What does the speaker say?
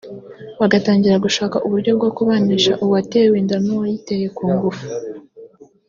bagatangira gushaka uburyo bwo kubanisha uwatewe inda n’uwayimuteye ku ngufu